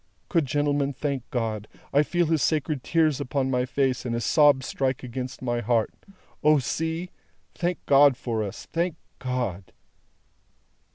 Good gentlemen, thank God! I feel his sacred tears upon my face, and his sobs strike against my heart. O, see! Thank God for us, thank God!"